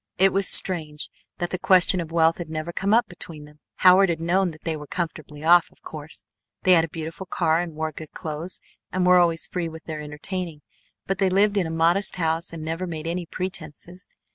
It was strange that the question of wealth had never come up between them. Howard had known that they were comfortably off, of course. They had a beautiful car and wore good clothes, and were always free with their entertaining, but they lived in a modest house, and never made any pretences.